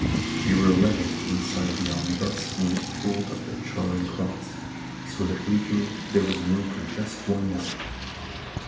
We were eleven inside the omnibus when it pulled up at Charing Cross, so that legally there was room for just one more.